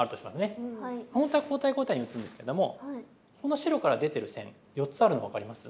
本当は交代交代に打つんですけどもこの白から出てる線４つあるの分かります？